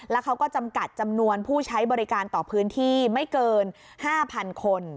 แล้วเขาก็จำกัดจำนวนผู้ใช้บริการต่อพื้นที่ไม่เกิน๕๐๐๐คน